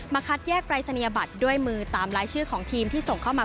คัดแยกปรายศนียบัตรด้วยมือตามลายชื่อของทีมที่ส่งเข้ามา